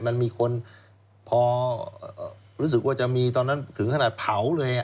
มันมีคนพอรู้สึกว่าจะมีตอนนั้นถึงขนาดเผาเลย